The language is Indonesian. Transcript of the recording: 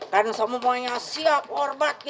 kan semuanya siap warbat